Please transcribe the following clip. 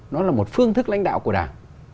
nó là một phương thức lãnh đạo của đảng